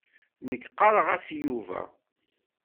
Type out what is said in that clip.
Nekk ɣɣareɣ-as Yuba.